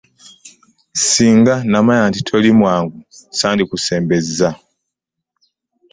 Ssinga namanya nti toli mwangu ssandikusembezza.